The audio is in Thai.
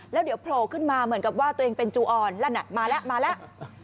แล้วเดี๋ยวโผล่ขึ้นมาเหมือนกับว่าตัวเองเป็นจูออนนั่นน่ะมาแล้วมาแล้ว